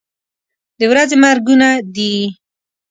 د ورځې مرګونه دي.